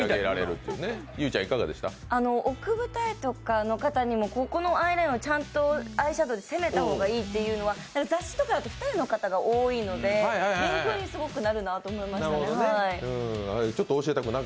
奥二重の方とかもここの部分をちゃんとアイシャドーで攻めた方がいいというのは雑誌とかだと二重の方が多いので、勉強にすごくなるなと思いました。